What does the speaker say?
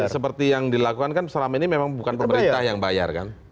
seperti yang dilakukan kan selama ini memang bukan pemerintah yang bayar kan